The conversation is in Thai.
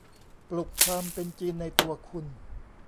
ปลุกความเป็นจีนในตัวคุณ